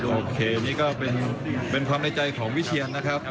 โอเคนี่ก็เป็นความในใจของวิเชียนนะครับ